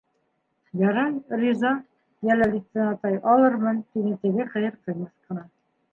- Ярай, риза, Йәләлетдин атай, алырмын, - тине теге ҡыйыр-ҡыймаҫ ҡына.